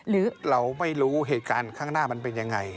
หรือเราไม่รู้เหตุการณ์ข้างหน้ามันเป็นยังไง